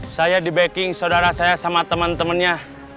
saya di backing saudara saya sama temen temennya